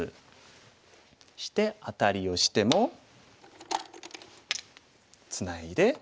そしてアタリをしてもツナいで。